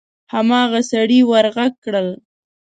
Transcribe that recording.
هماغه سړي ور غږ کړل: